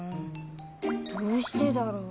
どうしてだろう？